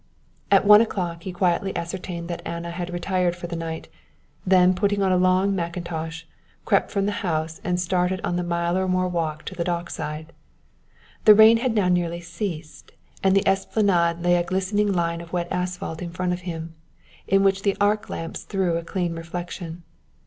At one o'clock he quietly ascertained that Anna had retired for the night, then, putting on a long mackintosh, crept from the house and started on the mile or more walk to the dock side. The rain had now nearly ceased, and the esplanade lay a glistening line of wet asphalt in front of him, in which the arc lamps threw a clean reflection.